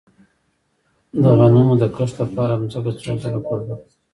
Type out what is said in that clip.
د غنمو د کښت لپاره ځمکه څو ځله قلبه کړم؟